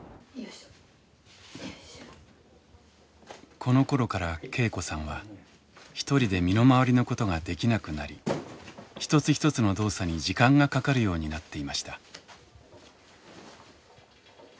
このころから恵子さんは一人で身の回りのことができなくなり一つ一つの動作に時間がかかるようになっていました。